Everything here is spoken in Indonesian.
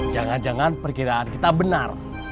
jangan jangan perkiraan kita benar